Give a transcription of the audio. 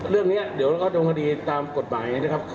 เรื่องนี้เดี๋ยวก็โดนคดีตามกฎหมายนะครับ